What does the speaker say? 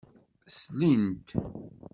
Slin-t.